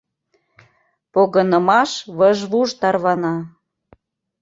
Погынымаш выж-вуж тарвана.